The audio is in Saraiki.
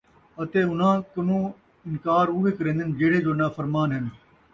اَتے اُنھاں کنوں انکار اُوہے کریندن جِہڑے جو نافرمان ہِن ۔